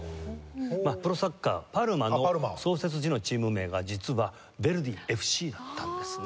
まあプロサッカーパルマの創設時のチーム名が実はヴェルディＦＣだったんですね。